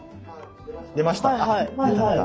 出ました。